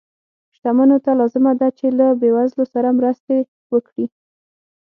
شتمنو ته لازمه ده چې له بې وزلو سره مرستې وکړي.